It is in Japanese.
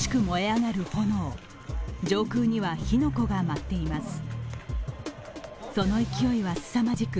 上空には火の粉が舞っています。